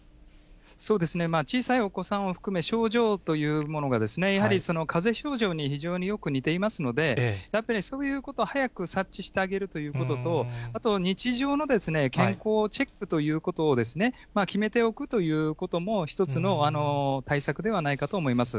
そうですね、小さいお子さんを含め、症状というものが、やはりかぜ症状に非常によく似ていますので、そういうことを早く察知してあげるということと、あと日常のですね、健康チェックということを決めておくということも、一つの対策ではないかと思います。